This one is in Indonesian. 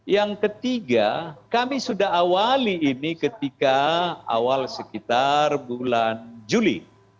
yang ketiga kami sudah awali ini ketika awal sekitar bulan juli